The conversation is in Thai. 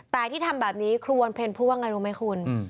แต่ที่ทำแบบนี้ครูวันเพ็ญพูดว่าไงรู้ไหมคุณ